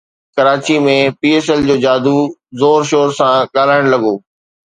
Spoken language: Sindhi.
ڪراچي ۾ پي ايس ايل جو جادو زور شور سان ڳالهائڻ لڳو